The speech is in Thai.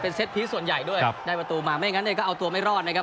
เซ็ตพีชส่วนใหญ่ด้วยได้ประตูมาไม่งั้นเนี่ยก็เอาตัวไม่รอดนะครับ